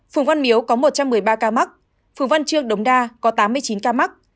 phường văn miếu có một trăm một mươi ba ca mắc phường văn trương đồng đa có tám mươi chín ca mắc